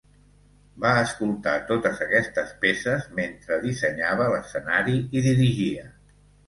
Va escoltar totes aquestes peces mentre dissenyava l'escenari i dirigia.